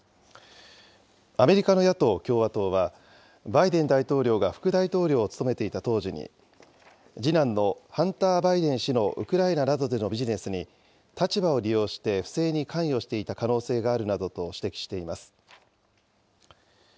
アメリカの野党・共和党は、バイデン大統領が副大統領を務めていた当時に、次男のハンター・バイデン氏のウクライナなどでのビジネスに立場を利用して不正に関与していた可能性があるなどと指摘しています。